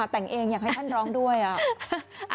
แต่งเองอยากให้ท่านร้องด้วยอ่ะ